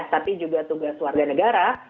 tapi juga tugas warga negara